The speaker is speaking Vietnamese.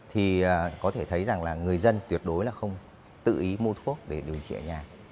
thì có thể thấy rằng là người dân tuyệt đối là không tự ý mua thuốc để điều trị ở nhà